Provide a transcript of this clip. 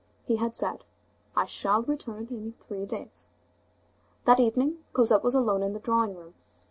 He had said: "I shall return in three days." That evening, Cosette was alone in the drawing room.